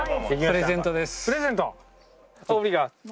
プレゼント！